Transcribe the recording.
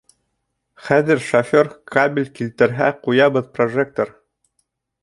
Хәҙер шофер кабель килтерһә, ҡуябыҙ прожектор...